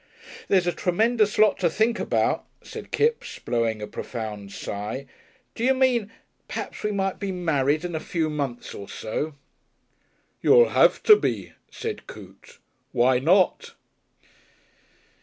"There's a tremendous lot to think about," said Kipps, blowing a profound sigh. "D'you mean p'raps we might be married in a few months or so." "You'll have to be," said Coote. "Why not?"...